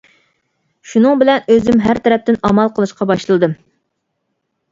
شۇنىڭ بىلەن ئۆزۈم ھەر تەرەپتىن ئامال قىلىشقا باشلىدىم.